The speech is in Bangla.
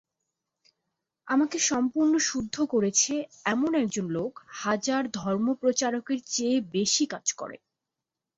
আপনাকে সম্পূর্ণ শুদ্ধ করেছে, এমন একজন লোক হাজার ধর্মপ্রচারকের চেয়ে বেশী কাজ করে।